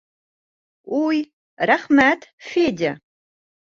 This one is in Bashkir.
— Уй, рәхмәт, Федя!